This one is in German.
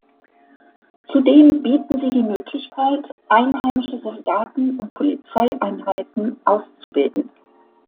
Zudem bieten sie die Möglichkeit, einheimische Soldaten und Polizeieinheiten auszubilden.